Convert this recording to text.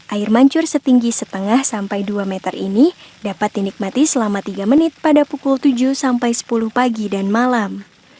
air mancur setinggi setengah sampai dua meter ini dapat dinikmati selama tiga menit pada pukul tujuh sampai sepuluh pagi dan malam